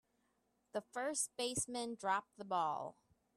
The first baseman dropped the ball.